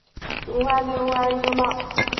因此李镒完全无法得到有关日军的情报。